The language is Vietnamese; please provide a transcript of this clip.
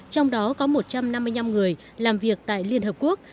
trong đó có một trăm năm mươi năm người làm việc tại liên hợp quốc